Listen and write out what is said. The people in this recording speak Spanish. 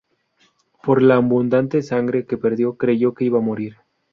Por la abundante sangre que perdió, creyó que iba a morir.